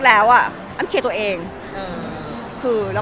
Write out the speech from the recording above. ไม่มีอ่ะค่ะ